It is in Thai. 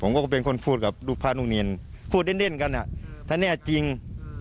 ผมก็เป็นคนพูดกับลูกพระนุนินพูดเด้นเด้นกันอ่ะอืมถ้าแน่จริงอืม